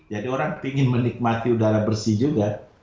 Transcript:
jadi orang ingin menikmati udara bersih juga